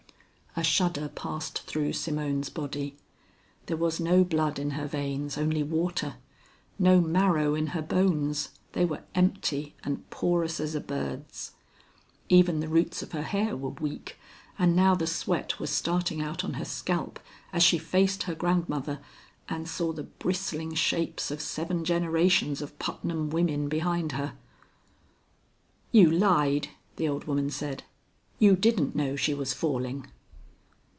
A shudder passed through Simone's body. There was no blood in her veins, only water; no marrow in her bones, they were empty, and porous as a bird's. Even the roots of her hair were weak, and now the sweat was starting out on her scalp as she faced her grandmother and saw the bristling shapes of seven generations of Putnam women behind her. "You lied," the old woman said. "You didn't know she was falling."